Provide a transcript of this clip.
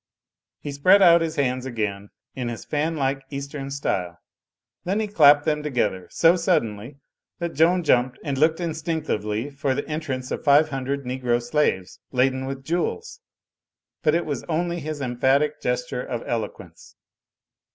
He spread out his hands again, in his fanlike east em style. Then he clapped them together, so suddenly that Joan jumped, and looked instinctively for the en trance of five hundred negro slaves, laden with jewels. But it was only his emphatic gesture of eloquence.